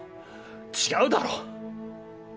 違うだろ。